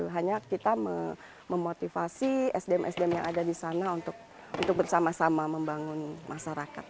hanya kita memotivasi sdm sdm yang ada di sana untuk bersama sama membangun masyarakat